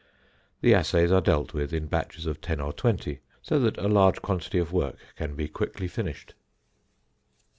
The assays are dealt with in batches of ten or twenty, so that a large quantity of work can be quickly finished.